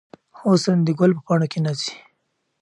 حسن د ګل په پاڼو کې ناڅي.